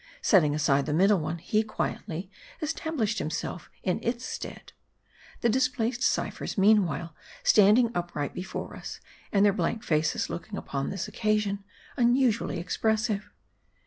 Setting aside the middle one, he quietly established himself in its stead. The displaced ciphers, meanwhile, standing upright before us, and their blank faces looking upon this occasion unusually expressive.